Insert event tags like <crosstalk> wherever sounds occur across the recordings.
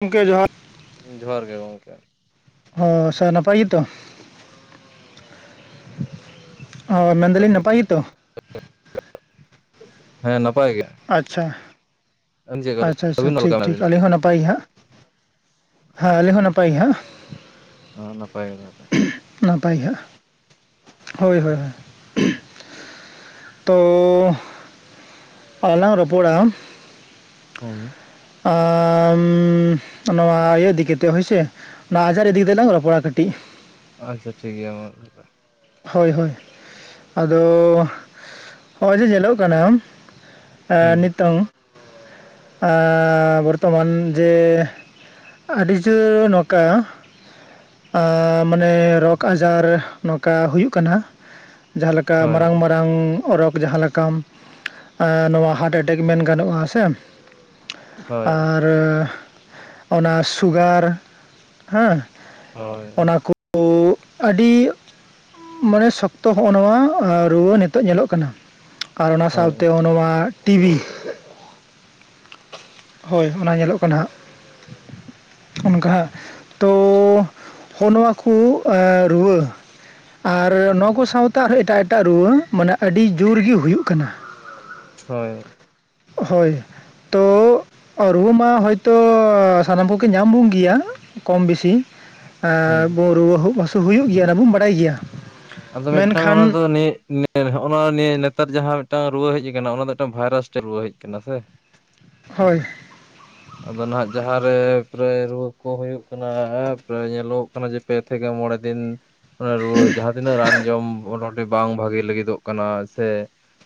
ᱜᱚᱢᱠᱮ ᱡᱚᱦᱟᱨ ᱡᱚᱦᱟᱨ ᱜᱮ ᱜᱚᱝᱠᱮ᱾ ᱦᱚᱸ ᱥᱚᱱᱟᱯᱟᱭ ᱜᱮᱛᱚ? ᱚ ᱢᱮᱱ ᱫᱟᱞᱤᱧ ᱱᱟᱯᱟᱭ ᱜᱮᱛᱚ? <unintelligible> ᱦᱮᱸ ᱱᱟᱯᱟᱭ ᱜᱮ᱾ ᱟᱪᱪᱷᱟ ᱟᱹᱵᱤᱱ ᱟᱪᱪᱷᱟ ᱪᱮᱫ ᱟᱪᱪᱷᱟ ᱟᱹᱵᱤᱱ ᱚᱠᱟ ᱴᱷᱤᱠ ᱞᱮᱠᱟ ᱢᱮᱱᱟᱜ ᱴᱷᱤᱠ ᱵᱤᱱᱟ ᱟᱞᱤᱧ ᱦᱚᱸ ᱱᱟᱯᱟᱭ ᱜᱮ ᱦᱟᱸᱜ, ᱦᱮᱸ ᱟᱞᱤᱧ ᱦᱚᱸ ᱱᱟᱯᱟᱭ ᱜᱮ ᱦᱟᱸᱜ᱾ ᱳ ᱱᱟᱯᱟᱭ ᱜᱮ ᱛᱟᱦᱚᱞᱮ᱾ ᱱᱟᱯᱟᱭ ᱜᱮᱜ ᱦᱟᱸᱭ ᱦᱳᱭ ᱦᱳᱭ᱾ ᱛᱚᱻ ᱟᱨ ᱞᱟᱝ ᱨᱚᱯᱚᱲᱟ, ᱦᱩ ᱟᱻ ᱩᱢᱻ ᱱᱚᱣᱟ ᱤᱭᱟᱹ ᱤᱫᱤ ᱠᱟᱛᱮ ᱦᱳᱭ ᱥᱮ? ᱱᱚᱣᱟ ᱟᱡᱟᱨ ᱤᱫᱤ ᱠᱟᱛᱮ ᱞᱟᱝ ᱨᱚᱯᱚᱲᱟ ᱠᱟᱹᱴᱤᱡ, ᱟᱪᱪᱷᱟ ᱴᱷᱤᱠ ᱜᱮᱭᱟ ᱢᱟ ᱛᱟᱦᱚᱞᱮ, ᱦᱳᱭ ᱦᱳᱭ ᱟᱫᱚ ᱦᱚᱜᱼᱚᱭ ᱡᱮ ᱧᱮᱞᱚᱜ ᱠᱟᱱᱟ, ᱮᱸ ᱦᱩᱸ ᱱᱤᱛᱚᱝ ᱵᱚᱨᱛᱚ ᱢᱟᱱ ᱡᱮ, ᱟᱹᱰᱤ ᱡᱳᱨ ᱱᱚᱠᱟ ᱟ ᱢᱟᱱᱮ ᱨᱳᱜᱽ ᱟᱡᱟᱨ ᱱᱚᱝ ᱠᱟ ᱦᱩᱭᱩᱜ ᱠᱟᱱᱟ ᱡᱟᱦᱟᱸ ᱞᱮᱠᱟ ᱦᱳᱭ ᱢᱟᱨᱟᱝ ᱢᱟᱨᱟᱝ ᱨᱳᱜᱽ ᱡᱟᱦᱟᱸ ᱞᱮ ᱠᱟᱢ ᱱᱚᱣᱟ ᱦᱟᱨᱴ ᱮᱴᱮᱠ ᱢᱮᱱ ᱜᱟᱱᱚᱜᱼᱟ ᱥᱮ, ᱦᱳᱭ ᱟᱨ ᱚᱱᱟ ᱥᱩᱜᱟᱨ ᱦᱟ. ᱦᱳᱭ ᱚᱱᱟ ᱠᱩ ᱠᱩ ᱟᱹᱰᱤᱻ ᱢᱟᱱᱮ ᱥᱚᱠᱛᱚ ᱦᱚᱜᱼᱚ ᱱᱚᱣᱟ ᱨᱩᱣᱟᱹ ᱱᱤᱛᱚᱜ ᱧᱮᱞᱚᱜ ᱠᱟᱱᱟ᱾ ᱟᱨ ᱚᱱᱟ ᱦᱳᱭ ᱥᱟᱶᱛᱮ ᱩᱱᱢᱟ ᱴᱤᱵᱷᱤ ᱾ ᱦᱳᱭ ᱚᱱᱟ ᱧᱮᱞᱚᱜ ᱠᱟᱱᱟ ᱦᱟᱸᱜ᱾ ᱚᱱᱠᱟ ᱦᱟᱜ ᱛᱚ ᱦᱚᱜᱼᱚ ᱱᱚᱣᱟ ᱠᱚ ᱨᱩᱣᱟᱹ᱾ ᱟᱨ ᱱᱚᱣᱟ ᱠᱚ ᱥᱟᱶᱛᱮ ᱟᱨᱦᱚᱸ ᱮᱴᱟᱜ ᱮᱴᱟᱜ ᱨᱩᱣᱟᱹ ᱢᱟᱱᱮ ᱟᱹᱰᱤ ᱡᱩᱨᱜᱮ ᱦᱩᱭᱩᱜ ᱠᱟᱱᱟ᱾ ᱦᱳᱭ᱾ ᱦᱚᱭ ᱛᱚ ᱨᱩᱣᱟᱹ ᱢᱟ ᱦᱚᱭᱛᱚ ᱥᱟᱱᱟᱢ ᱠᱚᱜᱮ ᱧᱟᱢ ᱵᱚᱱ ᱜᱮᱭᱟ᱾ ᱠᱚᱢ ᱵᱮᱥᱤ ᱮ ᱦᱩᱸ ᱨᱩᱣᱟᱹᱜ ᱦᱟᱹᱥᱩ ᱦᱩᱭᱩᱜ ᱜᱮᱭᱟ ᱚᱱᱟ ᱵᱩᱱ ᱵᱟᱰᱟᱭ ᱜᱮᱭᱟ ᱾ ᱟᱫᱚ ᱢᱤᱫᱴᱟᱝ ᱦᱚᱲ ᱫᱚ ᱱᱤᱭᱟᱹᱼᱼ ᱱᱚᱜᱼ ᱱᱟ ᱱᱤᱭᱟᱹ ᱱᱮᱛᱟᱨ ᱡᱟᱦᱟᱸ ᱢᱤᱫᱴᱟᱝ ᱨᱩᱣᱟᱹ ᱦᱮᱡ ᱟᱠᱟᱱᱟ ᱚᱱᱟ ᱫᱚ ᱢᱤᱫᱴᱟᱝ ᱵᱷᱟᱭᱨᱟᱥ ᱨᱩᱣᱟᱹ ᱦᱮᱡ ᱟᱠᱟᱱᱟ ᱥᱮ᱾ ᱦᱳᱭ᱾ ᱟᱫᱚ ᱱᱟᱦᱟᱜ ᱡᱟᱦᱟᱸᱨᱮ ᱯᱨᱟᱭ ᱨᱩᱣᱟᱹ ᱠᱚ ᱦᱳᱭᱳᱜ ᱠᱟᱱᱟ ᱯᱨᱟᱭ ᱧᱮᱞᱚᱜᱚᱜ ᱠᱟᱱᱟ ᱡᱮᱼᱼ ᱯᱮ ᱛᱷᱮᱠᱮ ᱢᱚᱬᱮ ᱫᱤᱱ ᱨᱩᱣᱟᱹ ᱡᱟᱦᱟᱸ ᱛᱤᱱᱟᱹᱜ ᱨᱟᱱ ᱡᱚᱢᱼᱼ ᱵᱟᱝ ᱵᱷᱟᱜᱮ ᱞᱟᱹᱜᱤᱫᱚᱜ ᱠᱟᱱᱟ ᱥᱮ,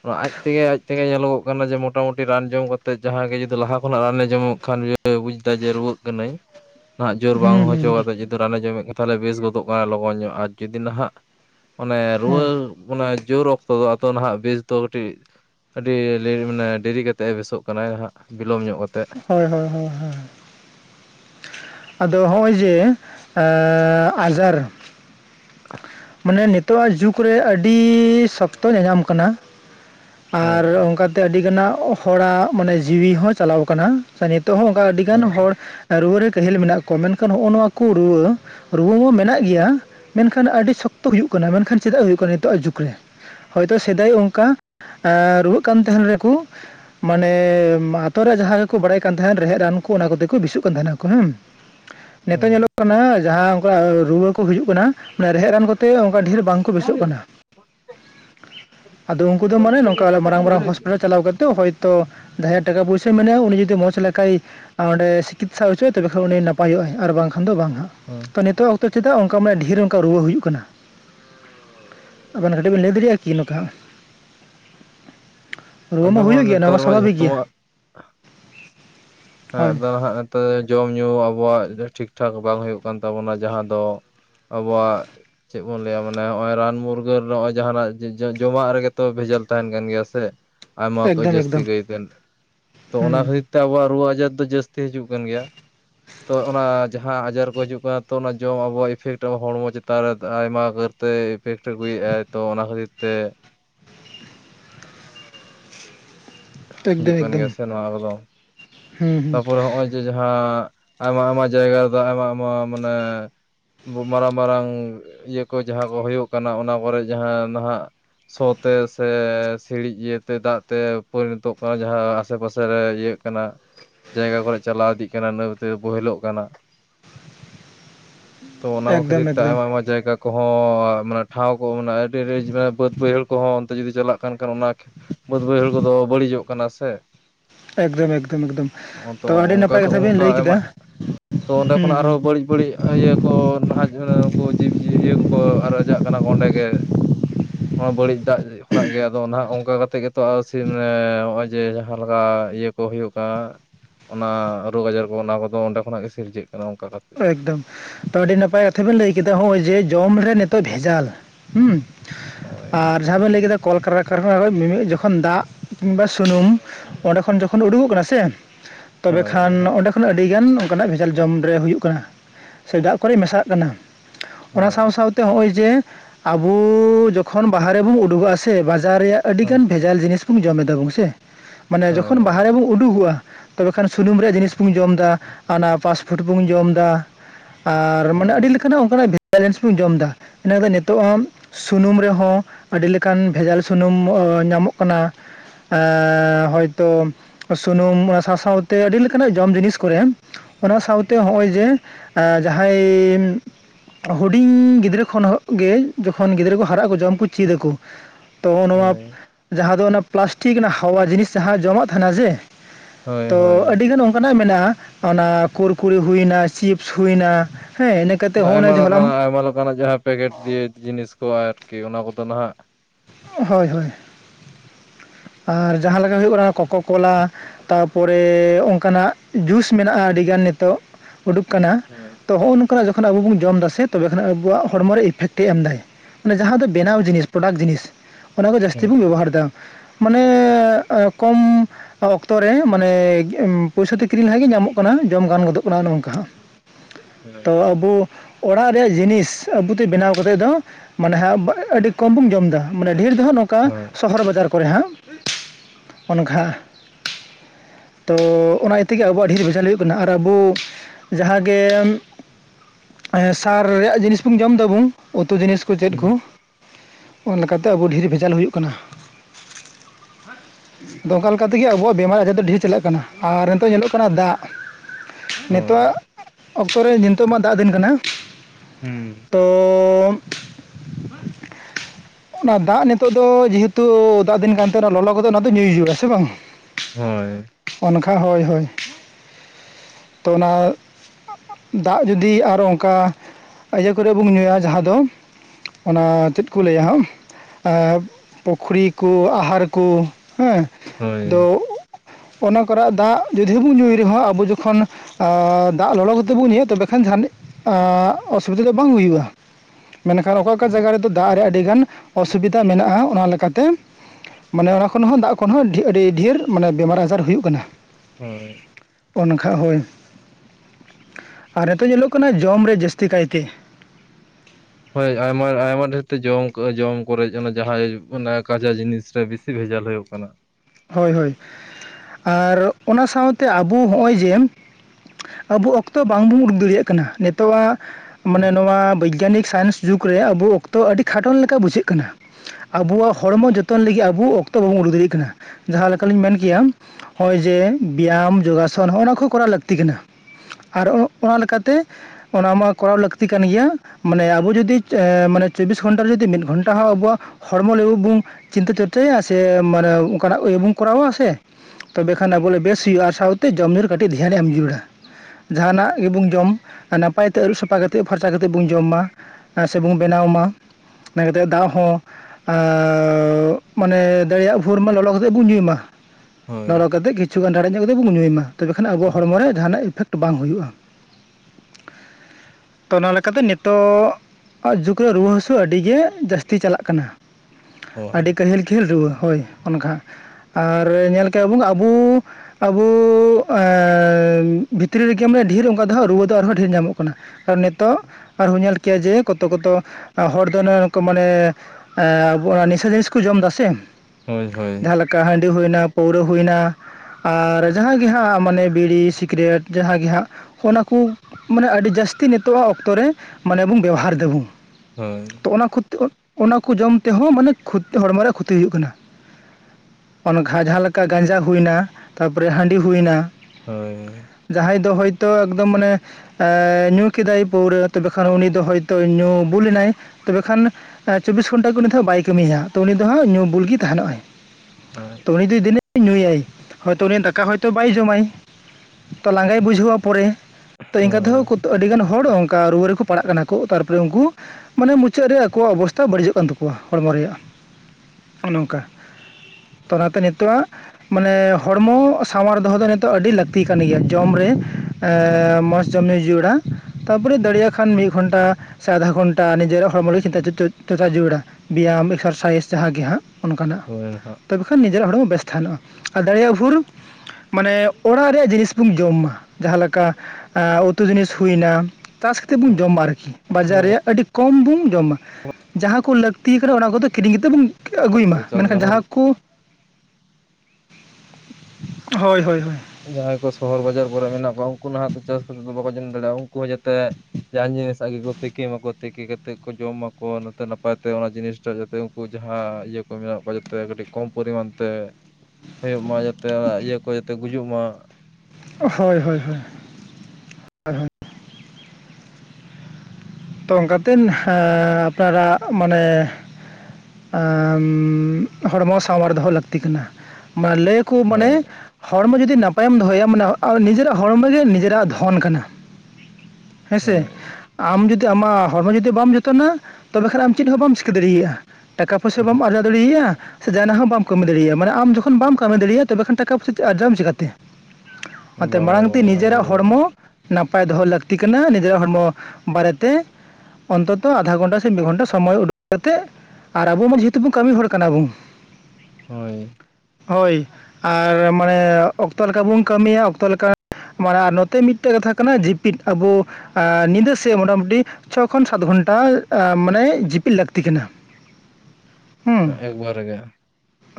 ᱚᱱᱟ ᱟᱡ ᱛᱮᱜᱮ ᱟᱡ ᱛᱮᱜᱮ ᱧᱮᱞᱚᱜᱚᱜ ᱠᱟᱱᱟ ᱡᱮ ᱢᱚᱴᱟᱢᱩᱴᱤ ᱨᱟᱱ ᱡᱚᱢ ᱠᱟ ᱠᱟᱛᱮ ᱡᱟᱦᱟᱸᱜ ᱜᱮ ᱡᱩᱫᱤ ᱞᱟᱦᱟ ᱠᱷᱚᱱᱟᱜ ᱨᱟᱱᱮ ᱡᱚᱢᱚᱜ ᱠᱷᱟᱱ ᱵᱩᱡᱽ ᱮᱫᱟ ᱡᱮ ᱨᱩᱣᱟᱹᱜ ᱠᱟᱹᱱᱟᱹᱧ ᱱᱟᱦᱟᱜ ᱡᱳᱨ ᱵᱟᱝ ᱦᱩᱸ ᱦᱩᱸ ᱦᱚᱪᱚ ᱠᱟᱛᱮ ᱡᱩᱫᱤ ᱨᱟᱱᱮ ᱡᱚᱢᱮᱫ ᱠᱚ ᱛᱟᱦᱚᱞᱮ ᱵᱮᱥ ᱜᱚᱫᱚᱜ ᱠᱟᱱᱟ ᱞᱚᱜᱚᱱ ᱧᱚᱜ ᱟᱨ ᱡᱩᱫᱤ ᱱᱟᱦᱟᱜ ᱚᱱᱮ ᱦᱩᱸ ᱨᱩᱣᱟᱹ ᱢᱟᱱᱮ ᱡᱳᱨ ᱚᱠᱛᱚ ᱫᱚ ᱟᱫᱚ ᱱᱟᱦᱟᱜ ᱵᱮᱥ ᱫᱚ ᱠᱟᱹᱴᱤᱡ ᱟᱹᱰᱤ ᱢᱟᱱᱮ ᱞᱮ ᱰᱮᱨᱤ ᱠᱟᱛᱮᱫ ᱮ ᱵᱮᱥᱚᱜ ᱠᱟᱱᱟ ᱦᱟᱸᱜ ᱵᱤᱞᱚᱢ ᱧᱚᱜ ᱠᱟ ᱠᱟᱛᱮᱜ᱾ ᱦᱳᱭ ᱦᱳᱭ ᱦᱳᱭ ᱦᱳᱭ ᱫᱚ ᱱᱚᱜᱼᱚᱭ ᱡᱮ ᱟᱡᱡᱟᱨ <inaudible> ᱢᱟᱱᱮ ᱱᱤᱛᱚᱜᱟᱜ ᱡᱩᱜᱽ ᱨᱮ ᱟᱹᱰᱤ ᱥᱚᱠᱛᱚ ᱧᱟᱧᱟᱢ ᱠᱟᱱᱟ, ᱦᱳᱭ ᱟᱨ ᱚᱱᱠᱟ ᱛᱚ ᱟᱹᱰᱤ ᱜᱟᱱ ᱦᱚᱲᱟᱜ ᱢᱟᱱᱮ ᱡᱤᱣᱤ ᱦᱚᱸ ᱪᱟᱞᱟᱣ ᱟᱠᱟᱱᱟ ᱥᱮ ᱱᱤᱛᱚᱜ ᱦᱚᱸ ᱚᱱᱠᱟ ᱟᱹᱰᱤ ᱜᱟᱱ ᱦᱳᱭ ᱦᱚᱲ ᱨᱩᱣᱟᱹ ᱨᱮ ᱠᱟᱹᱦᱤᱞ ᱢᱮᱱᱟᱜ ᱠᱚᱣᱟ ᱢᱮᱱᱠᱷᱟᱱ ᱦᱚᱜᱼᱚᱭ ᱱᱚᱣᱟ ᱠᱚ ᱨᱩᱣᱟᱹᱼᱼ ᱨᱩᱣᱟᱹ ᱢᱟ ᱢᱮᱱᱟᱜ ᱜᱮᱭᱟ, ᱢᱮᱱᱠᱷᱟᱱ ᱟᱹᱰᱤ ᱥᱚᱠᱛᱚ ᱦᱩᱭᱩᱜ ᱠᱟᱱᱟ ᱾ ᱢᱮᱱᱠᱷᱟᱱ ᱪᱮᱫᱟᱜ ᱦᱩᱭᱩᱜ ᱠᱟᱱᱟ ᱱᱤᱛᱚᱜ ᱜᱟᱜ ᱡᱩᱜᱽᱨᱮ ᱾ ᱦᱚᱭᱛᱳ ᱥᱮᱫᱟᱭ ᱚᱱᱠᱟ ᱨᱩᱣᱟᱹᱜ ᱠᱟᱱ ᱛᱟᱦᱮᱱ ᱨᱮᱠᱚᱼᱼ ᱢᱟᱱᱮ ᱟᱛᱳ ᱨᱮ ᱡᱟᱦᱟᱸ ᱜᱮᱠᱚ ᱵᱟᱲᱟᱭ ᱠᱟᱱ ᱛᱟᱦᱮ ᱨᱮᱦᱮᱫ ᱨᱟᱱ ᱠᱚ ᱚᱱᱟ ᱠᱚᱛᱮ ᱠᱚ ᱵᱮᱥᱩᱜ ᱠᱟᱱ ᱛᱟᱦᱮᱸᱱᱟᱠᱚ ᱦᱮᱸ, ᱱᱤᱛᱳᱜ ᱦᱳᱭ ᱧᱮᱞᱚᱜ ᱠᱟᱱᱟ ᱡᱟᱦᱟᱸ ᱚᱱᱠᱟ ᱨᱩᱣᱟᱹ ᱠᱚ ᱦᱤᱡᱩᱜ ᱠᱟᱱᱟ ᱨᱮᱦᱮᱫ ᱨᱟᱱ ᱠᱚ ᱛᱮ ᱚᱱᱠᱟ ᱰᱷᱮᱨ ᱵᱟᱝᱠᱚ ᱵᱮᱥᱚᱜ ᱠᱟᱱᱟ᱾ ᱟᱫᱚ ᱩᱱᱠᱩ ᱫᱚ ᱢᱟᱱᱮ ᱱᱚᱝᱠᱟ ᱢᱟᱨᱟᱝ ᱢᱟᱨᱟᱝ ᱦᱚᱥᱯᱤᱴᱟᱞ ᱪᱟᱞᱟᱣ ᱠᱟᱛᱮ ᱦᱚᱭ ᱛᱚ ᱦᱟᱡᱟᱭᱟᱜ ᱴᱟᱠᱟ ᱯᱚᱭᱥᱟ ᱢᱮᱭᱟ ᱩᱱᱤ ᱡᱚᱫᱤ ᱢᱚᱸᱡᱽ ᱞᱮᱠᱟᱭ ᱟᱨ ᱚᱸᱰᱮ ᱪᱤᱠᱤᱛᱥᱟ ᱦᱚᱪᱚᱟᱭ ᱛᱚᱵᱮ ᱠᱷᱟᱱ ᱩᱱᱤ ᱱᱟᱯᱟᱭᱚᱜᱼ ᱟᱭ ᱟᱨ ᱵᱟᱝᱠᱷᱟᱱ ᱫᱚ ᱵᱟᱝ ᱦᱟᱸᱜ᱾ ᱦᱳᱸᱭ ᱛᱚ ᱱᱤᱛᱚᱜ ᱚᱠᱛᱚ ᱪᱮᱫᱟᱜ ᱚᱱᱠᱟ ᱢᱟᱱᱮ ᱰᱷᱮᱨ ᱚᱱᱠᱟ ᱨᱩᱣᱟᱹ ᱦᱩᱭᱩᱜ ᱠᱟᱱᱟ? ᱟᱵᱮᱱ ᱠᱟᱹᱴᱤᱡ ᱵᱮᱱ ᱞᱟᱹᱭ ᱫᱟᱲᱮᱭᱟᱜᱼᱟ ᱠᱤ ᱱᱚᱝᱠᱟ? ᱨᱩᱣᱟᱹ ᱟᱫᱚ ᱢᱟ ᱦᱩᱭᱩᱜ ᱜᱮᱭᱟ ᱱᱚᱣᱟ ᱱᱮᱛᱟᱨ ᱢᱟ ᱥᱟᱵᱷᱟᱵᱤᱠ ᱜᱮᱭᱟ᱾ ᱡᱷᱚᱛᱚᱣᱟᱜ ᱦᱮᱸ ᱦᱳᱭ ᱟᱫᱚ ᱱᱟᱦᱟᱜ ᱱᱮᱛᱟᱨ ᱡᱚᱢ ᱧᱩ ᱟᱵᱚᱣᱟᱜ ᱴᱷᱤᱠ ᱴᱷᱟᱠ ᱵᱟᱝ ᱦᱩᱭᱩᱜ ᱠᱟᱱ ᱛᱟᱵᱚᱱᱟ ᱡᱟᱦᱟᱸ ᱫᱚ ᱟᱵᱚᱣᱟᱜ ᱪᱮᱫ ᱵᱚᱱ ᱞᱟᱹᱭᱟ ᱢᱟᱱᱮ ᱱᱚᱜᱚᱭ ᱨᱟᱱ ᱢᱩᱨᱜᱟᱹᱱ ᱱᱚᱜᱼᱚᱭ ᱡᱟᱦᱟᱱᱟᱜ ᱡᱚᱢᱟᱜ ᱨᱮᱜᱮ ᱛᱚ ᱵᱷᱮᱡᱮᱞ ᱛᱟᱦᱮᱱ ᱠᱟᱱ ᱜᱮᱭᱟ ᱥᱮ᱾ ᱟᱭᱢᱟ ᱠᱚ ᱮᱠᱫᱚᱢ ᱡᱟᱹᱥᱛᱤ ᱮᱠᱫᱚᱢ ᱠᱟᱹᱭᱛᱮ ᱛᱚ ᱚᱱᱟ ᱦᱩᱸ ᱠᱷᱟᱹᱛᱤᱨ ᱛᱮ ᱟᱵᱚᱣᱟᱜ ᱨᱩᱣᱟᱹ ᱟᱡᱟᱨ ᱫᱚ ᱡᱟᱹᱥᱛᱤ ᱦᱤᱡᱩᱜ ᱠᱟᱱ ᱜᱮᱭᱟ᱾ ᱛᱚ ᱚᱱᱟ ᱡᱟᱦᱟᱸ ᱟᱡᱟᱨ ᱠᱚ ᱦᱤᱡᱩᱜ ᱠᱟᱱᱟ ᱛᱚ ᱚᱱᱟ ᱡᱚᱢ ᱟᱵᱚᱣᱟᱜ ᱤᱯᱷᱮᱠᱴ ᱟᱵᱚ ᱦᱚᱲᱢᱚ ᱪᱮᱛᱟᱱ ᱨᱮ ᱟᱭᱢᱟ ᱠᱟᱹᱨ ᱛᱮ ᱤᱯᱷᱮᱠᱴᱮ ᱟᱹᱜᱩᱭᱮᱫᱼᱟᱭ ᱛᱚ ᱚᱱᱟ ᱠᱷᱟᱹᱛᱤᱨ ᱛᱮ ᱮᱠᱫᱚᱢ ᱦᱤᱡᱩᱜ ᱠᱟᱱ ᱮᱠᱫᱚᱢ ᱜᱮᱭᱟ ᱥᱮ ᱱᱚᱣᱟ ᱠᱚᱫᱚ, ᱦᱩᱸ ᱦᱩᱸ ᱛᱟᱯᱚᱨᱮ ᱦᱚᱜᱼᱚᱭ ᱡᱮ ᱡᱟᱦᱟᱸ ᱟᱭᱢᱟ ᱟᱭᱢᱟ ᱡᱟᱭᱜᱟ ᱨᱮᱫᱚ ᱟᱭᱢᱟ ᱟᱭᱢᱟ ᱢᱟᱱᱮ, ᱢᱟᱨᱟᱝ ᱢᱟᱨᱟᱝ ᱤᱭᱟᱹ ᱠᱚ ᱡᱟᱦᱟᱸ ᱠᱚ ᱦᱩᱭᱩᱜ ᱠᱟᱱᱟ ᱚᱱᱟ ᱠᱚᱨᱮᱜ ᱡᱟᱦᱟᱸ ᱱᱟᱦᱟᱜ ᱥᱚ ᱛᱮ ᱥᱮ ᱥᱤᱲᱤᱡ ᱤᱭᱟᱹᱛᱮ ᱫᱟᱜ ᱛᱮ ᱯᱚᱨᱤᱱᱚᱛᱚᱜ ᱠᱟᱱᱟ ᱡᱟᱦᱟᱸ ᱟᱥᱮ ᱯᱟᱥᱮ ᱨᱮ ᱤᱭᱟᱹᱜ ᱠᱟᱱᱟ ᱡᱟᱭᱜᱟ ᱠᱚᱨᱮ ᱪᱟᱞᱟᱣ ᱤᱫᱤᱜ ᱠᱟᱱᱟ ᱱᱟᱹᱣᱛᱮ ᱵᱳᱹᱦᱮᱞᱚᱜ ᱠᱟᱱᱟ ᱛᱚ ᱚᱱᱟ ᱠᱚ ᱮᱠᱫᱚᱢ ᱠᱷᱟᱹᱛᱤᱨ ᱛᱮ ᱮᱠᱫᱚᱢ ᱟᱭᱢᱟ ᱟᱭᱢᱟ ᱡᱟᱭᱜᱟ ᱠᱚᱦᱚᱸ ᱢᱟᱱᱮ ᱴᱷᱟᱶ ᱠᱚ ᱢᱟᱱᱮ ᱟᱹᱰᱤ ᱟᱹᱰᱤ ᱵᱟᱹᱫᱽ ᱵᱟᱹᱭᱦᱟᱹᱲ ᱠᱚᱦᱚᱸ ᱚᱱᱛᱮ ᱡᱩᱫᱤ ᱪᱟᱞᱟᱜ ᱠᱟᱱ ᱠᱷᱟᱱ ᱚᱱᱟ ᱵᱟᱹᱫᱽ ᱵᱟᱹᱭᱦᱟᱹᱲ ᱠᱚᱫᱚ ᱵᱟᱹᱲᱤᱡᱚᱜ ᱠᱟᱱᱟ ᱥᱮ ᱮᱠᱫᱚᱢ ᱮᱠᱫᱚᱢ ᱮᱠᱫᱚᱢ ᱛᱚ ᱚᱱᱠᱟ ᱚᱱᱠᱟ ᱟᱭᱢᱟ ᱛᱚ ᱚᱸᱰᱮ ᱦᱩᱸ ᱠᱷᱚᱱᱟᱜ ᱟᱨᱦᱚᱸ ᱦᱩᱸ ᱵᱟᱹᱲᱤᱡ ᱵᱟᱹᱲᱤᱡ ᱤᱭᱟᱹ ᱠᱚ ᱱᱟᱦᱟᱪ ᱩᱱᱠᱩ ᱡᱤᱵᱽᱼᱡᱤᱭ ᱤᱭᱟᱹ ᱠᱚᱠᱚ ᱟᱨᱮᱡᱟᱜ ᱠᱟᱱᱟ ᱠᱚ ᱚᱸᱰᱮ ᱜᱮ ᱵᱟᱹᱲᱤᱡ ᱫᱟᱜ ᱠᱷᱚᱱᱟᱜ ᱜᱮ ᱟᱫᱚ ᱱᱟᱦᱟᱜ ᱚᱱᱠᱟ ᱠᱟᱛᱮᱫ ᱜᱮᱛᱚ ᱥᱤᱢ ᱱᱚᱜᱼᱚᱭ ᱡᱮ ᱡᱟᱦᱟᱸ ᱞᱮᱠᱟ ᱤᱭᱟᱹ ᱠᱚ ᱦᱩᱭᱩᱜ ᱚᱱᱠᱟ ᱚᱱᱟ ᱨᱳᱜᱽ ᱟᱡᱟᱨ ᱠᱚ ᱚᱱᱟ ᱠᱚᱫᱚ ᱚᱸᱰᱮ ᱠᱷᱚᱱᱟᱜ ᱜᱮ ᱥᱤᱨᱡᱟᱹᱜ ᱠᱟᱱᱟ ᱚᱱᱠᱟ ᱠᱟᱛᱮᱜ ᱮᱠᱫᱚᱢ ᱛᱚ ᱟᱹᱰᱤ ᱱᱟᱯᱟᱭ ᱠᱟᱛᱷᱟ ᱵᱤᱱ ᱞᱟᱹᱭ ᱠᱮᱫᱟ ᱦᱚᱸᱜ-ᱚᱭ ᱡᱮ ᱡᱚᱢ ᱨᱮ ᱱᱤᱛᱚᱜ ᱵᱷᱮᱡᱟᱞ ᱦᱩᱸ ᱦᱳᱭ ᱟᱨ ᱡᱟᱦᱟᱸ ᱵᱤᱱ ᱞᱟᱹᱭ ᱠᱮᱫᱟ ᱠᱚᱞ ᱠᱟᱨᱮᱠ <inaudible> ᱢᱤᱢᱤᱫ ᱡᱚᱠᱷᱚᱱ ᱫᱟᱜ ᱠᱤᱝᱵᱟ ᱥᱩᱱᱩᱢ ᱚᱸᱰᱮ ᱠᱷᱚᱱ ᱡᱚᱠᱷᱚᱱ ᱩᱸᱰᱩᱠᱚᱜ ᱠᱟᱱᱟ ᱥᱮ ᱛᱚᱵᱮ ᱦᱳᱭ ᱠᱷᱟᱱ ᱦᱟᱸᱜ ᱚᱸᱰᱮ ᱠᱷᱚᱱᱟᱜ ᱟᱹᱰᱤᱜᱟᱱ ᱚᱱᱠᱟᱱᱟᱜ ᱵᱷᱮᱡᱟᱞ ᱡᱚᱢ ᱨᱮ ᱦᱩᱭᱩᱜ ᱠᱟᱜ ᱥᱮ ᱫᱟᱜ ᱠᱚᱨᱮ ᱢᱮᱥᱟᱜ ᱠᱟᱱᱟ ᱚᱱᱟ ᱥᱟᱶ ᱦᱳᱭ ᱥᱟᱶᱛᱮ ᱦᱚᱸᱜᱼᱚᱭ ᱡᱮ ᱟᱵᱩ ᱡᱚᱠᱷᱚᱱ ᱵᱟᱦᱟ ᱨᱮᱵᱚᱱ ᱩᱸᱰᱩᱠᱚᱜᱼᱟ ᱥᱮ, ᱵᱟᱡᱟᱨ ᱨᱮᱭᱟᱜ ᱟᱹᱰᱤ ᱦᱳᱭ ᱜᱟᱱ ᱵᱷᱮ ᱡᱟᱞ ᱡᱤᱱᱤᱥ ᱵᱚᱱ ᱡᱚᱢ ᱮᱫᱟ ᱵᱚ ᱥᱮ ᱢᱟᱱᱮ ᱦᱳᱭ ᱡᱚᱠᱷᱚᱱ ᱵᱟᱦᱟ ᱦᱳᱭ ᱨᱮᱵᱚᱱ ᱩᱸᱰᱩᱠᱚᱜᱼᱟ ᱛᱚᱵᱮ ᱠᱷᱟᱱ ᱥᱩᱱᱩᱢ ᱨᱮᱭᱟᱜ ᱡᱤᱱᱤᱥ ᱵᱚᱱ ᱡᱚᱢ ᱫᱟ ᱚᱱᱟ ᱯᱷᱟᱥᱯᱷᱩᱰ ᱵᱚᱱ ᱡᱚᱢ ᱫᱟ᱾ ᱟᱨ ᱢᱟᱱᱮ ᱟᱹᱰᱤ ᱞᱮᱠᱟᱱᱟᱜ ᱚᱱᱠᱟᱱᱟᱜ ᱵᱷᱮᱡᱟᱞ ᱡᱤᱱᱤᱥ ᱵᱚᱱ ᱡᱚᱢ ᱫᱟ ᱤᱱᱟᱹ ᱫᱚ ᱱᱤᱛᱳᱜ ᱟᱢ ᱥᱩᱱᱩᱢ ᱨᱮᱦᱚᱸ ᱟᱹᱰᱤ ᱞᱮᱠᱟᱱ ᱵᱷᱮᱡᱟᱞ ᱥᱩᱱᱩᱢ ᱧᱟᱢᱚᱜ ᱠᱟᱱᱟ᱾ ᱦᱮᱸ ᱦᱚᱭᱛᱳ ᱥᱩᱱᱩᱢ ᱚᱱᱟ ᱥᱟᱶ ᱥᱟᱶᱛᱮ ᱟᱹᱰᱤ ᱞᱮᱠᱟᱱᱟᱜ ᱡᱚᱢ ᱡᱤᱱᱤᱥ ᱠᱚᱨᱮ ᱚᱱᱟ ᱥᱟᱶᱛᱮ ᱦᱚᱸᱜ-ᱚᱭ ᱡᱮ ᱡᱟᱦᱟᱸᱭ ᱦᱩᱰᱤᱧ ᱜᱤᱫᱽᱨᱟᱹ ᱠᱷᱚᱱ ᱜᱮ ᱡᱚᱠᱷᱚᱱ ᱜᱤᱫᱽᱨᱟᱹ ᱠᱚ ᱦᱟᱨᱟᱜ ᱟᱠᱚ ᱡᱚᱢ ᱠᱚ ᱪᱮᱫ ᱟᱠᱩ ᱛᱚ ᱱᱚᱣᱟ ᱦᱳᱭ ᱡᱟᱦᱟᱸ ᱫᱚ ᱚᱱᱟ ᱯᱞᱟᱥᱴᱤᱠ ᱱᱟᱜ ᱦᱟᱣᱟ ᱡᱤᱱᱤᱥ ᱡᱟᱦᱟᱸ ᱡᱚᱢᱟᱜ ᱛᱟᱦᱮᱱᱟ ᱡᱮ ᱦᱳᱭ ᱛᱚ ᱦᱳᱭ ᱟᱹᱰᱤᱜᱟᱱ ᱚᱱᱠᱟᱱᱟᱜ ᱢᱮᱱᱟᱜᱼᱟ, ᱚᱱᱟ ᱠᱩᱨᱠᱩᱨᱤ ᱦᱩᱭᱱᱟ ᱪᱤᱯᱥ ᱦᱩᱭᱱᱟ ᱦᱮᱸ ᱠᱟᱛᱮ ᱦᱚᱸᱜᱼᱚ ᱟᱭᱢᱟ ᱱᱟ ᱡᱮ ᱦᱚᱞᱟᱢ ᱞᱮᱠᱟᱱᱟᱜ ᱟᱭᱢᱟ ᱞᱮᱠᱟᱱᱟᱜ ᱡᱟᱦᱟᱸ ᱯᱮᱠᱮᱴ ᱫᱤᱭᱮ ᱡᱤᱱᱤᱥ ᱠᱚ ᱟᱨᱠᱤ ᱚᱱᱟ ᱠᱚᱫᱚ ᱱᱟᱦᱟᱜ ᱦᱳᱭ ᱦᱳᱭ ᱟᱨ ᱡᱟᱦᱟᱸ ᱞᱮᱠᱟ ᱦᱩᱭᱩᱜ ᱠᱟᱱᱟ ᱠᱚᱠᱚ ᱠᱚᱞᱟ ᱛᱟᱨᱯᱚᱨᱮ ᱚᱱᱠᱟᱱᱟᱜ ᱡᱩᱥ ᱢᱮᱱᱟᱜᱼᱟ ᱟᱹᱰᱤᱜᱟᱱ ᱱᱤᱛᱚᱜ᱾ ᱩᱸᱰᱩᱠ ᱠᱟᱱᱟ ᱦᱳᱭ ᱛᱚ ᱦᱚᱸᱜ-ᱱᱚ ᱚᱱᱠᱟᱱᱟᱜ ᱡᱚᱠᱷᱚᱱ ᱟᱵᱚ ᱵᱚᱱ ᱡᱚᱢ ᱫᱟᱥᱮ, ᱛᱚᱵᱮ ᱠᱷᱟᱱ ᱟᱵᱚᱣᱟᱜ ᱦᱚᱲᱢᱚᱨᱮ ᱤᱯᱷᱮᱴ ᱮ ᱮᱢ ᱫᱟᱭ᱾ ᱡᱟᱦᱟᱸ ᱫᱚ ᱵᱮᱱᱟᱣ ᱡᱤᱱᱤᱥ, ᱯᱨᱚᱰᱟᱠᱴ ᱡᱤᱱᱤᱥ, ᱚᱱᱟ ᱠᱚ ᱡᱟᱹᱥᱛᱤ ᱦᱳᱭ ᱵᱚᱱ ᱵᱮᱵᱚᱦᱟᱨ ᱫᱟ᱾ ᱢᱟᱱᱮ ᱠᱚᱢ ᱚᱠᱛᱚᱨᱮ ᱢᱟᱱᱮ ᱯᱚᱭᱥᱟᱛᱮ ᱠᱤᱨᱤᱧ ᱞᱮᱠᱟᱱ ᱜᱮ ᱧᱟᱢᱚᱜ ᱠᱟᱱᱟ, ᱡᱚᱢ ᱜᱟᱱ ᱜᱚᱫᱚᱜ ᱠᱟᱱᱟ ᱱᱚ ᱱᱚᱝᱠᱟ ᱦᱟᱸᱜ᱾ <inaudible> ᱛᱚ ᱟᱵᱚ ᱚᱲᱟᱜ ᱨᱮᱭᱟᱜ ᱡᱤᱱᱤᱥ, ᱟᱵᱚ ᱛᱮ ᱵᱮᱱᱟᱣ ᱠᱟᱛᱮᱜ ᱫᱚ ᱢᱟᱱᱮ ᱦᱟᱸᱜ ᱟᱹᱰᱤ ᱠᱚᱢ ᱵᱚᱱ ᱡᱚᱢ ᱫᱟ ᱢᱟᱱᱮ ᱰᱷᱮᱨ ᱫᱚ ᱦᱟᱸᱜ ᱱᱚᱝᱠᱟ ᱦᱳᱭ ᱥᱚᱦᱚᱨ ᱵᱟᱡᱟᱨ ᱠᱚᱨᱮ ᱦᱟᱸᱜ᱾ ᱚᱱᱠᱷᱟ ᱛᱚ ᱚᱱᱟ ᱤᱭᱟᱹ ᱛᱮᱜᱮ ᱟᱵᱚᱣᱟᱜ ᱰᱷᱮᱨ ᱵᱷᱮᱡᱟᱞ ᱦᱩᱭᱩᱜ ᱠᱟᱱᱟ, ᱟᱨ ᱟᱵᱩ ᱡᱟᱦᱟᱸᱜᱮ ᱥᱟᱨ ᱨᱮᱭᱟᱜ ᱡᱤᱱᱤᱥ ᱵᱚᱱ ᱡᱚᱢ ᱫᱟ ᱵᱚᱱ, ᱩᱛᱩ ᱡᱤᱱᱤᱥ ᱠᱚ ᱪᱮᱫ ᱠᱚ ᱚᱱᱟ ᱞᱮᱠᱟᱛᱮ ᱟᱵᱚ ᱰᱷᱮᱨ ᱵᱷᱮᱡᱟᱞ ᱦᱩᱭᱩᱜ ᱠᱟᱱᱟ᱾ <inaudible> <unintelligible> ᱟᱫᱚ ᱚᱱᱠᱟ ᱞᱮᱠᱟᱛᱮᱜᱮ ᱟᱵᱚᱣᱟᱜ ᱵᱮᱢᱟᱨ ᱟᱡᱟᱨ ᱫᱚ ᱰᱷᱮᱨ ᱪᱟᱞᱟᱜ ᱠᱟᱱᱟ, ᱟᱨ ᱱᱤᱛᱚᱝ ᱧᱮᱞᱚᱜ ᱠᱟᱱᱟ ᱫᱟᱜ ᱱᱤᱛᱚᱜ ᱦᱳᱭ ᱚᱠᱛᱚ ᱨᱮ ᱱᱤᱛᱚᱜ ᱢᱟ ᱫᱟᱜ ᱫᱤᱱ ᱠᱟᱱᱟ᱾ ᱦᱩᱸ ᱛᱚᱻ ᱫᱟᱜ ᱱᱤᱛᱳᱜ ᱫᱚ ᱡᱮᱦᱮᱛᱩ ᱫᱟᱜ ᱫᱤᱱ ᱠᱟᱱ ᱛᱚ ᱚᱱᱟ ᱞᱚᱞᱚ ᱠᱚᱫᱚ ᱚᱱᱟ ᱫᱚ ᱧᱩᱩᱭ ᱦᱩᱭᱩᱜᱼᱟ, ᱥᱮ ᱵᱟᱝ? ᱦᱳᱭ᱾ ᱢᱮᱱᱠᱷᱟ ᱦᱳᱭ ᱦᱳᱭ, ᱛᱚ ᱚᱱᱟ ᱫᱟᱜ ᱡᱩᱫᱤ ᱟᱨᱚ ᱚᱱᱠᱟ, ᱤᱭᱟᱹ ᱠᱚᱨᱮ ᱵᱚᱱ ᱧᱩᱭᱟ ᱡᱟᱦᱟᱸ ᱫᱚ, ᱚᱱᱟ ᱪᱮᱫ ᱠᱚ ᱞᱟᱹᱭᱟ ᱦᱟᱸᱜ, ᱟᱸ ᱯᱩᱠᱷᱨᱤ ᱠᱚ ᱟᱦᱟᱨ ᱠᱩ ᱦᱮᱸ ᱦᱳᱭ ᱟᱫᱚ ᱚᱱᱟ ᱠᱚᱨᱮ ᱫᱟᱜ ᱡᱩᱫᱤᱵᱚᱱ ᱧᱩᱭ ᱨᱮᱦᱚᱸ, ᱟᱵᱚ ᱡᱚᱠᱷᱚᱱ ᱟᱸᱻ ᱫᱟᱜ ᱞᱚᱞᱚ ᱠᱟᱛᱮᱜ ᱵᱚᱱ ᱧᱩᱭᱟ ᱛᱚᱵᱮ ᱠᱷᱟᱱ ᱡᱟᱱᱤᱡ ᱚᱥᱩᱵᱤᱫᱷᱟ ᱫᱚ ᱵᱟᱝ ᱦᱩᱭᱩᱜᱼᱟ᱾ ᱢᱟᱱᱮ ᱚᱠᱟ ᱚᱠᱟ ᱡᱟᱭᱜᱟ ᱨᱮᱫᱚ ᱫᱟᱜ ᱨᱮ ᱟᱹᱰᱤ ᱜᱟᱱ ᱚᱥᱩᱵᱤᱫᱟ ᱢᱮᱱᱟᱜᱼᱟ ᱚᱱᱟ ᱞᱮᱠᱟᱛᱮ ᱢᱟᱱᱮ ᱚᱱᱟ ᱠᱷᱚᱱ ᱦᱚᱸ ᱫᱟᱜ ᱠᱷᱚᱱ ᱦᱚᱸ ᱟᱹᱰᱤ ᱰᱷᱮᱨ ᱢᱟᱱᱮ ᱵᱮᱢᱟᱨ ᱟᱡᱟᱨ ᱦᱩᱭᱩᱜ ᱠᱟᱱᱟ᱾ ᱦᱳᱭ ᱚᱱᱠᱷᱟ ᱦᱳᱭ, ᱟᱨ ᱱᱤᱛᱚᱜᱜ ᱧᱮᱞᱚᱜ ᱠᱟᱱᱟ ᱡᱚᱢ ᱨᱮ ᱡᱟᱹᱥᱛᱤ ᱠᱟᱭᱛᱮ ᱦᱳᱭ ᱟᱭᱢᱟ, ᱟᱭᱢᱟ ᱰᱷᱮᱨ ᱡᱚᱢ, ᱡᱚᱢ ᱠᱚᱨᱮ ᱡᱟᱦᱟᱸᱟᱭ ᱠᱟᱡᱟ ᱡᱤᱱᱤᱥ ᱨᱮ ᱵᱮᱥᱤ ᱵᱷᱮᱡᱟᱞ ᱦᱩᱭᱩᱜ ᱠᱟᱱᱟ᱾ ᱦᱳᱭ ᱦᱳᱭ ᱟᱨ ᱚᱱᱟ ᱥᱟᱶᱛᱮ ᱟᱵᱚ ᱦᱚᱜᱼᱚᱭ ᱡᱮ ᱟᱵᱚ ᱚᱠᱛᱚ ᱵᱟᱝᱵᱚᱱ ᱩᱰᱠ ᱫᱟᱲᱮᱭᱟᱜ ᱠᱟᱱᱟ ᱱᱤᱛᱳᱜ-ᱟ ᱢᱟᱱᱮ ᱱᱚᱣᱟ ᱵᱳᱭᱜᱟᱱᱤᱠ ᱥᱟᱭᱮᱱᱥ ᱡᱩᱜᱽ ᱨᱮ ᱟᱵᱚ ᱚᱠᱛᱚ ᱟᱹᱰᱤ ᱠᱷᱟᱴᱚᱱ ᱞᱮᱠᱟ ᱵᱩᱡᱷᱟᱹᱜ ᱠᱟᱱᱟ ᱟᱵᱚᱣᱟᱜ ᱦᱚᱲᱢᱚ ᱡᱚᱛᱚᱱ ᱞᱟᱹᱜᱤᱫ ᱟᱵᱚ ᱚᱠᱛᱚ ᱵᱟᱵᱚᱱ ᱩᱰᱩ ᱫᱟᱲᱮᱭᱟᱜ ᱠᱟᱱᱟ ᱡᱟᱦᱟᱸᱮ ᱞᱮᱠᱟᱞᱤᱧ ᱢᱮᱱ ᱠᱮᱭᱟ ᱱᱚᱜ ᱚᱭ ᱡᱮ ᱵᱮᱭᱟᱢ ᱡᱳᱜᱟᱥᱚᱱ ᱱᱚᱜ ᱱᱚᱣᱟ ᱠᱚ ᱠᱚᱨᱟᱣ ᱞᱟᱹᱠᱛᱤ ᱠᱟᱱᱟ ᱟᱨ ᱚᱱᱟ ᱞᱮᱠᱟᱛᱮ ᱚᱱᱟ ᱢᱟ ᱠᱚᱨᱟᱣ ᱞᱟᱹᱠᱛᱤ ᱠᱟᱱ ᱜᱮᱭᱟ ᱢᱟᱱᱮ ᱟᱵᱚ ᱡᱩᱚᱫᱤ ᱢᱟᱱᱮ ᱪᱚᱵᱽᱵᱤᱥ ᱜᱷᱚᱱᱴᱟ ᱨᱮ ᱡᱩᱫᱤ ᱢᱤᱫ ᱜᱷᱚᱱᱴᱟ ᱦᱚᱸ ᱟᱵᱚᱣᱟᱜ ᱦᱚᱲᱢᱚ ᱞᱮ ᱵ <unintelligible> ᱪᱤᱱᱛ ᱪᱚᱨᱪᱟ ᱥᱮ ᱢᱟᱱᱮ ᱠᱟᱱᱟᱜ ᱭ ᱵᱚᱱ ᱠᱚᱨᱟᱣᱟ ᱥᱮ ᱛᱚᱵᱮ ᱠᱷᱟᱱ ᱵᱚᱞᱮ ᱵᱮᱥ ᱦᱩᱭᱩᱜᱼᱟ ᱟᱨ ᱥᱟᱶᱛᱮ ᱡᱚᱢ ᱧᱩ ᱨᱮ ᱠᱟᱹᱴᱤᱡ ᱫᱷᱮᱭᱟᱱᱮ ᱮᱢ ᱡᱟᱹᱲᱩᱹᱲᱟ ᱡᱟᱦᱟᱱᱟᱜ ᱜᱮᱵᱚᱱ ᱡᱚᱢ ᱱᱟᱯᱟᱭ ᱛᱮ ᱟᱹᱨᱩᱵ ᱥᱟᱯᱷᱟ ᱠᱟᱛᱮᱫ ᱯᱷᱟᱨᱪᱟ ᱠᱟᱛᱮᱫ ᱵᱚᱱ ᱡᱚᱢᱟ ᱟᱨ ᱥᱮᱵᱚᱱ ᱵᱮᱱᱟᱣ ᱢᱟ ᱤᱱᱟ ᱠᱟᱛᱮ ᱫᱟᱜ ᱦᱚᱸ ᱢᱟᱱᱮ ᱫᱟᱲᱮᱭᱟᱜ ᱵᱷᱳᱨ ᱢᱟ ᱞᱚᱞᱚ ᱠᱟᱛᱮ ᱵᱚᱱ ᱧᱩᱭ ᱢᱟ ᱦᱳᱭ ᱞᱚᱞᱚ ᱠᱟᱛᱮ ᱠᱤᱪᱷᱩ ᱜᱟᱱ ᱨᱟᱲᱮᱡ ᱧᱚᱜ ᱠᱟᱛᱮ ᱵᱚᱱ ᱧᱩᱭ ᱢᱟ ᱛᱚᱵᱮ ᱠᱷᱟᱱ ᱟᱵᱚ ᱦᱳᱭ ᱦᱚᱲᱢᱚ ᱨᱮ ᱡᱟᱦᱟᱱᱟᱜ ᱤᱯᱷᱮᱠᱴ ᱵᱟᱝ ᱦᱩᱭᱩᱜᱼᱟ᱾ ᱛᱚ ᱚᱱᱟ ᱞᱮᱠᱟᱛᱮ ᱱᱤᱛᱚᱜᱼᱜ ᱡᱩᱜᱽᱨᱮ ᱨᱩᱣᱟᱹ ᱦᱟᱹᱥᱩ ᱟᱹᱰᱤᱜᱮ ᱡᱟᱹᱥᱛᱤ ᱪᱟᱞᱟᱜ ᱠᱟᱱᱟ᱾ ᱟᱹᱰᱤ ᱦᱳᱭ ᱠᱟᱹᱦᱮᱞ ᱠᱷᱮᱞ ᱨᱩᱣᱟᱹ ᱦᱳᱭ ᱚᱱᱠᱟ ᱟᱨ ᱧᱮᱞ ᱠᱮᱜᱟ ᱵᱚᱱ ᱟᱵᱚ ᱟᱵᱚ ᱵᱷᱤᱛᱨᱤ ᱨᱮᱜᱮ ᱢᱟᱱᱮ ᱰᱷᱮᱨ ᱚᱱᱠᱟ ᱫᱚ ᱦᱟᱸᱜ ᱨᱩᱣᱟᱹ ᱫᱚ ᱟᱨᱦᱚᱸ ᱰᱷᱮᱨ ᱧᱟᱢᱚᱜ ᱠᱟᱱᱟ ᱟᱨ ᱱᱤᱛᱚᱜ ᱟᱨᱦᱚᱸ ᱧᱮᱞ ᱠᱮᱭᱟ ᱡᱮ ᱠᱚᱛᱚ ᱠᱚᱛᱚ ᱦᱚᱲ ᱫᱚ ᱢᱟᱱᱮ ᱚᱱᱟ ᱱᱤᱥᱟᱹ ᱡᱤᱱᱤᱥ ᱠᱚ ᱡᱚᱢ ᱮᱫᱟ ᱥᱮ ᱦᱳᱭ ᱦᱳᱭ ᱫᱟᱠᱟ ᱦᱟᱺᱰᱤ ᱦᱩᱭᱱᱟ ᱯᱟᱹᱣᱨᱟᱹ ᱦᱩᱭᱱᱟ ᱟᱨ ᱡᱟᱦᱟᱸᱜ ᱜᱮ ᱦᱟᱸᱜ ᱢᱟᱱᱮ ᱵᱤᱲᱤ ᱥᱤᱠᱨᱮᱴ ᱡᱟᱦᱟᱸᱜ ᱜᱮ ᱦᱟᱸᱜ ᱚᱱᱟ ᱠᱚ ᱢᱟᱱᱮ ᱟᱹᱰᱤ ᱡᱟᱹᱥᱛᱤ ᱱᱤᱛᱚᱜ-ᱟ ᱚᱠᱛᱚ ᱨᱮ ᱢᱟᱱᱮ ᱵᱚᱱ ᱵᱮᱵᱚᱦᱟᱨ ᱫᱟᱵᱚᱱ ᱦᱳᱭ ᱛᱚ ᱚᱱᱟ ᱠᱷᱚᱛ <inaudible> ᱚᱱᱟ ᱠᱚ ᱡᱚᱢ ᱛᱮᱦᱚᱸ ᱢᱟᱱᱮ ᱠᱷᱚᱛᱤ ᱦᱚᱲᱢᱚ ᱨᱮᱭᱟᱜ ᱠᱷᱚᱛᱤ ᱦᱩᱭᱩᱜ ᱠᱟᱱᱟ ᱚᱱᱠᱷᱟ ᱡᱟᱦᱟᱸ ᱞᱮᱠᱟ ᱜᱟᱸᱡᱟ ᱦᱩᱭᱱᱟ ᱛᱟᱨᱯᱚᱨᱮ ᱦᱟᱺᱰᱤ ᱦᱩᱭᱱᱟ ᱦᱳᱭ ᱡᱟᱦᱟᱸᱭ ᱫᱚ ᱦᱚᱳᱭᱛᱳ ᱮᱠᱫᱚᱢ ᱢᱟᱱᱮ ᱮ ᱧᱩ ᱠᱮᱫᱟᱭ ᱯᱟᱹᱣᱨᱟᱹ ᱛᱚᱵᱮ ᱠᱷᱟᱱ ᱩᱱᱤ ᱫᱚ ᱦᱚᱭᱛᱳ ᱧᱩ ᱵᱩᱞᱱᱟᱭ ᱛᱚᱵᱮ ᱠᱷᱟᱱ ᱪᱚᱵᱽᱵᱤᱥ ᱜᱷᱚᱱᱴᱟ ᱠᱚ ᱩᱱᱤ ᱫᱚᱜ ᱵᱟᱭ ᱠᱟᱹᱢᱤᱭᱟ ᱛᱚ ᱩᱱᱤ ᱫᱚ ᱦᱟᱸᱜ ᱧᱩ ᱵᱩᱞᱜᱮ ᱛᱟᱦᱮᱱᱚᱜᱼᱟᱭ ᱦᱳᱭ ᱛᱚ ᱩᱱᱤ ᱫᱚ ᱫᱤᱱᱮ ᱧᱩᱭᱟᱭ ᱦᱚᱭᱛᱚ ᱩᱱ ᱫᱟᱠᱟ ᱦᱚᱭᱛᱳ ᱵᱟᱭ ᱡᱚᱢᱟᱭ ᱛᱚ ᱞᱟᱸᱜᱟᱭ ᱵᱩᱡᱷᱟᱹᱣᱟ ᱯᱚᱨᱮ ᱛᱚ ᱤᱱᱠᱟᱹ ᱦᱳᱭ ᱛᱮᱦᱚᱸ ᱛᱚ ᱟᱹᱰᱤ ᱜᱟᱱ ᱦᱚᱲ ᱚᱱᱠᱟ ᱨᱩᱣᱟᱹ ᱨᱮᱠᱚ ᱯᱟᱲᱟᱜ ᱠᱟᱱᱟ ᱠᱚ ᱛᱟᱨᱯᱚᱨᱮ ᱩᱱᱠᱩ ᱢᱟᱱᱮ ᱢᱩᱪᱟᱹᱫ ᱨᱮ ᱟᱠᱚᱣᱟᱜ ᱚᱵᱚᱥᱛᱷᱟ ᱵᱟᱹᱲᱤᱡᱚᱜ ᱠᱟᱱ ᱛᱟᱠᱚᱣᱟ ᱦᱚᱲᱢᱚ ᱨᱮᱭᱟᱜ ᱱᱚᱜᱼᱱᱚᱝᱠᱟ ᱛᱚ ᱚᱱᱟᱛᱮ ᱱᱤᱛᱚᱜ-ᱟ ᱢᱟᱱᱮ ᱦᱚᱲᱢᱚ ᱥᱟᱶᱟᱨ ᱫᱚᱦᱚ ᱫᱚ ᱱᱤᱛᱚᱜ ᱟᱹᱰᱤ ᱞᱟᱹᱠᱛᱤ ᱠᱟᱱ ᱜᱮᱭᱟ ᱡᱚᱢ ᱨᱮ ᱢᱚᱸᱡᱽ ᱡᱚᱢ ᱧᱩ <unintelligible> ᱛᱟᱯᱚᱨᱮ ᱫᱟᱲᱮᱭᱟᱜ ᱠᱷᱟᱱ ᱢᱤᱫ ᱜᱷᱚᱱᱴᱟ ᱥᱮ ᱟᱫᱷᱟ ᱜᱷᱚᱱᱴᱟ ᱱᱮᱡᱮᱨᱟᱜ ᱦᱚᱲᱢᱚ ᱞᱟᱹᱜᱤᱫ <unintelligible> ᱡᱩᱲᱟ ᱵᱮᱭᱟᱢ ᱮᱠᱥᱟᱨᱥᱟᱭᱤᱡ ᱡᱟᱦᱟᱸ ᱜᱮ ᱦᱟᱸᱜ ᱚᱱᱠᱟᱱᱟᱜ ᱦᱚᱭ ᱟᱫᱚ ᱛᱚᱵᱮ ᱠᱷᱟᱱ ᱱᱤᱡᱮᱨᱟᱜ ᱦᱚᱲᱢᱚ ᱵᱮᱥ ᱛᱟᱦᱮᱱᱚᱜ-ᱟ ᱟᱨ ᱫᱟᱲᱮᱭᱟᱜ ᱵᱷᱳᱨ ᱢᱟᱱᱮ ᱚᱲᱟᱜ ᱨᱮᱭᱟᱜ ᱡᱤᱱᱤᱥ ᱵᱚᱱ ᱡᱚᱢᱼᱢᱟ ᱡᱟᱦᱟᱸ ᱞᱮᱠᱟ ᱟᱻ ᱩᱛᱩ ᱡᱤᱱᱤᱥ ᱦᱩᱭ ᱮᱱᱟ ᱪᱟᱥ ᱠᱟᱛᱮᱜ ᱵᱚᱱ ᱡᱚᱢ ᱢᱟ ᱟᱨᱠᱤ ᱵᱟᱡᱟᱨ ᱦᱳᱭ ᱨᱮᱭᱟᱜ ᱟᱹᱰᱤ ᱠᱚᱢ ᱵᱚᱱ ᱡᱚᱢ‌ ᱢᱟ ᱡᱟᱦᱟᱸ ᱠᱚ ᱞᱟᱹᱠᱛᱤ ᱟᱠᱟᱱᱟ ᱚᱱᱟ ᱠᱚᱫᱚ ᱠᱤᱨᱤᱧ ᱠᱟᱛᱮ ᱵᱚᱱ ᱟᱹᱜᱩᱭ ᱢᱟ ᱪᱟᱥ ᱜᱟᱱᱚᱜ ᱠᱩ ᱦᱳᱭ ᱦᱳᱭ ᱦᱳᱭ ᱡᱟᱦᱟᱸᱭ ᱠᱚ ᱥᱚᱦᱚᱨ ᱵᱟᱡᱟᱨ ᱠᱚᱨᱮ ᱢᱮᱱᱟᱜ ᱠᱚᱣᱟ ᱩᱱᱠᱩ ᱱᱷᱟᱜ ᱪᱟᱥ ᱠᱟᱛᱮ ᱫᱚ ᱵᱟᱠᱚ ᱡᱚᱢ ᱫᱟᱲᱮᱭᱟᱜᱼᱟ ᱩᱱᱠᱩ ᱦᱚᱸ ᱡᱟᱛᱮ ᱡᱟᱦᱟᱱ ᱡᱤᱱᱤᱥᱟᱜ ᱜᱮᱠᱚ ᱛᱤᱠᱤ ᱢᱟᱠᱚ ᱛᱤᱠᱤ ᱠᱟᱛᱮ ᱠᱚ ᱡᱚᱢ ᱢᱟᱠᱚ ᱚᱱᱟ ᱛᱮ ᱱᱟᱯᱟᱭ ᱛᱮ ᱚᱱᱟ ᱡᱤᱱᱤᱥ ᱡᱟᱛᱮ ᱩᱱᱠᱩ ᱡᱟᱦᱟᱸ ᱤᱭᱟᱹ ᱠᱚ ᱢᱮᱱᱟᱜ ᱠᱚᱣᱟ ᱡᱟᱛᱮ ᱠᱟᱹᱴᱤᱡ ᱠᱚᱢ ᱯᱚᱨᱤᱢᱟᱱ ᱛᱮ <inaudible> ᱦᱩᱭᱩᱜ ᱢᱟ ᱡᱟᱛᱮ <unintelligible> ᱤᱭᱟᱹ ᱠᱚ ᱡᱟᱛᱮ ᱜᱩᱡᱩᱜ ᱢᱟ ᱦᱳᱭ ᱦᱳᱭ ᱦᱳᱭ ᱦᱳᱭ ᱛᱚ ᱚᱱᱠᱟᱛᱮᱱ ᱟᱯᱱᱟᱨᱟᱜ ᱢᱟᱱᱮ ᱦᱚᱲᱢᱚ ᱥᱟᱶᱭᱟᱨ ᱫᱚᱦᱚ ᱞᱟᱹᱠᱛᱤ ᱠᱟᱱᱟ ᱢᱟᱱᱮ ᱞᱟᱹᱭᱟᱠᱚ ᱢᱟᱱᱮ ᱦᱳᱭ ᱦᱚᱲᱢᱚ ᱡᱩᱫᱤ ᱱᱟᱯᱟᱭᱮᱢ ᱫᱚᱦᱚᱭᱟ ᱢᱟᱱᱮ ᱱᱤᱡᱮᱨᱟᱜ ᱦᱚᱲᱢᱚ ᱜᱮ ᱱᱤᱡᱮᱨᱟᱜ ᱫᱷᱚᱱ ᱠᱟᱱᱟ ᱦᱮᱸᱥᱮ ᱦᱳᱭ ᱟᱢ ᱡᱩᱫᱤ ᱟᱢᱟᱜ ᱦᱚᱲᱢᱚ ᱡᱩᱫᱤ ᱵᱟᱢ ᱡᱚᱛᱚᱱᱟ ᱛᱚᱵᱮ ᱠᱷᱟᱱ ᱟᱢ ᱪᱮᱫ ᱦᱚᱸ ᱵᱟᱢ ᱪᱤᱠᱟᱹ ᱫᱟᱲᱮᱭᱟᱜᱼᱟ ᱴᱟᱠᱟ ᱯᱚᱭᱥᱟ ᱵᱟᱢ ᱩᱸᱦᱩᱸᱜ ᱟᱨᱡᱟᱣ ᱫᱟᱲᱮᱭᱟᱜᱼᱟ ᱥᱮ ᱡᱟᱦᱟᱱᱟ ᱦᱚᱸ ᱵᱟᱢ ᱠᱟᱹᱢᱤ ᱫᱟᱲᱮᱭᱟᱜᱼᱢᱟᱱᱮ ᱟᱢ ᱡᱚᱠᱷᱚᱱ ᱵᱟᱢ ᱠᱟᱹᱢᱤ ᱫᱟᱲᱤᱭᱟᱜᱼᱟ ᱛᱚᱵᱮ ᱠᱷᱟᱱ ᱴᱟᱠᱟ ᱯᱚᱭᱥᱟ ᱟᱨᱡᱟᱣᱟᱢ ᱪᱮᱠᱟᱹ ᱛᱮ ᱚᱱᱟᱛᱮ ᱵᱟᱝᱟ ᱢᱟᱲᱟᱝ ᱛᱮ ᱵᱟᱝᱟ ᱱᱤᱡᱮᱨᱟᱜ ᱦᱚᱲᱢᱚ ᱵᱟᱝᱟ ᱱᱟᱯᱟᱭ ᱫᱚᱦᱚ ᱞᱟᱹᱠᱛᱤ ᱠᱟᱱᱟ ᱱᱤᱡᱮᱨᱟᱜ ᱦᱚᱲᱢᱚ ᱵᱟᱨᱮ ᱛᱮ ᱚᱱᱛᱚᱛᱚ ᱟᱫᱷᱟ ᱜᱷᱚᱱᱴᱟ ᱥᱮ ᱢᱤᱫ ᱜᱷᱚᱱᱴᱟ ᱥᱚᱢᱚᱭ ᱩᱰᱩᱠ ᱠᱟᱛᱮᱫ ᱟᱨ ᱟᱵᱚ ᱢᱟ ᱡᱮᱦᱮᱛᱩ ᱵᱚᱱ ᱠᱟᱹᱢᱤ ᱦᱚᱲ ᱠᱟᱱᱟ ᱵᱚᱱ ᱦᱳᱭ ᱦᱳᱭ ᱟᱨ ᱢᱟᱱᱮ ᱚᱠᱛᱚ ᱞᱮᱠᱟ ᱵᱩᱱ ᱠᱟᱹᱢᱤᱭᱟ ᱚᱠᱛᱚ ᱞᱮᱠᱟ ᱢᱟᱱᱮ ᱟᱨ ᱱᱚᱛᱮ ᱢᱤᱫᱴᱮᱡ ᱠᱟᱛᱷᱟ ᱠᱟᱱᱟ ᱡᱤᱯᱤᱫ ᱟᱹᱵᱩ ᱧᱤᱫᱟᱹ ᱥᱮ ᱢᱚᱴᱟᱢᱩᱼᱼ ᱟᱹᱰᱤ ᱪᱷᱚ ᱠᱷᱚᱱ ᱥᱟᱛ ᱜᱷᱚᱱᱴᱟ ᱢᱟᱱᱮ ᱡᱤᱯᱤᱫ ᱞᱟᱹᱠᱛᱤ ᱠᱟᱱᱟ ᱦᱩᱸ ᱮᱠᱵᱟᱨᱮ ᱜᱮ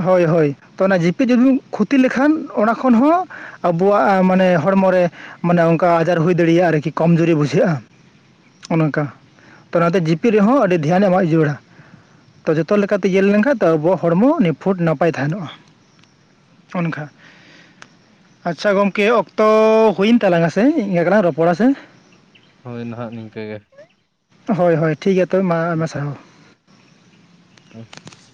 ᱦᱳᱭ ᱦᱳᱭ ᱛᱚ ᱚᱱᱟ ᱡᱤᱯᱤᱫ ᱡᱩᱫᱤᱢ ᱠᱷᱚᱛᱤ ᱞᱮᱠᱷᱟᱱ ᱚᱱᱟ ᱠᱷᱚᱱ ᱦᱚᱸ ᱟᱵᱚᱣᱟᱜ ᱢᱟᱱᱮ ᱦᱚᱲᱢᱚᱨ ᱨᱮ ᱢᱟᱱᱮ ᱚᱱᱠᱟ ᱟᱡᱟᱨ ᱦᱩᱭ ᱫᱟᱲᱤᱭᱟᱜᱼᱟ ᱟᱨᱠᱤ ᱠᱚᱢᱡᱩᱨᱤ ᱵᱩᱡᱷᱟᱹᱜᱼᱟ ᱚᱱᱠᱟ ᱛᱚ ᱚᱱᱟᱛᱮ ᱡᱤᱯᱤᱫ ᱨᱮᱦᱚᱸ ᱟᱹᱰᱤ ᱫᱷᱮᱭᱟᱱ ᱮᱢᱟᱜ ᱡᱟᱹᱨᱩᱲᱟ ᱛᱚ ᱡᱚᱛᱚ ᱞᱮᱠᱟ ᱛᱮ ᱧᱮᱞ ᱞᱮᱱᱠᱷᱟᱱ ᱛᱚ ᱟᱵᱚᱣᱟᱜ ᱦᱚᱲᱢᱚ ᱱᱤᱯᱷᱩᱴ ᱱᱟᱯᱟᱭ ᱛᱟᱦᱮᱱᱚᱜᱼᱟ ᱚᱱᱠᱟ ᱟᱪᱪᱷᱟ ᱜᱚᱝᱠᱮ ᱚᱠᱛᱚ ᱦᱩᱭᱮᱱ ᱛᱟᱞᱟᱝ ᱥᱮ ᱤᱱᱠᱟ ᱜᱟᱞᱟᱝ ᱨᱚᱯᱚᱲᱟ ᱥᱮ ᱦᱳᱭ ᱱᱷᱟᱜ ᱱᱤᱝᱠᱟᱹ ᱜᱮ ᱦᱳᱭ ᱦᱳᱭ ᱴᱷᱤᱠ ᱜᱮᱭᱟ ᱛᱚᱵᱮ ᱢᱟ ᱟᱭᱢᱟ ᱥᱟᱨᱦᱟᱣ <inaudible>